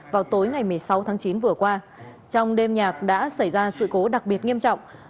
vào tối ngày một mươi sáu tháng chín vừa qua trong đêm nhạc đã xảy ra sự cố đặc biệt nghiêm trọng